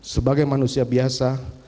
sebagai manusia biasa